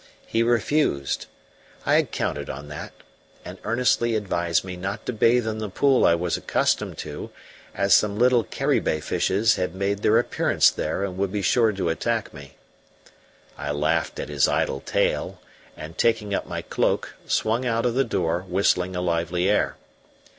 He refused I had counted on that and earnestly advised me not to bathe in the pool I was accustomed to, as some little caribe fishes had made their appearance there and would be sure to attack me. I laughed at his idle tale and, taking up my cloak, swung out of the door, whistling a lively air.